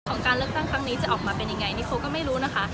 การเลือกตั้งครั้งนี้จะออกมาเป็นยังไงนี่เขาก็ไม่รู้นะคะ